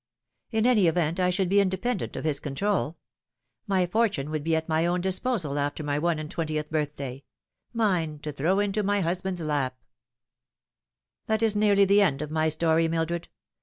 In any event, I should be independent of his control. My fortune would be at my own disposal after my one and twentietb birthday mine, to throw into my hus band's lap. 350 The Fatal Three. "That is nearly the end of my story, Mildred.